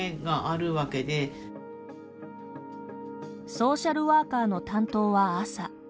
ソーシャルワーカーの担当は朝。